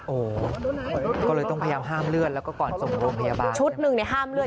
โอ้โหก็เลยต้องพยายามห้ามเลือดแล้วก็ก่อนส่งโรงพยาบาลชุดหนึ่งในห้ามเลือ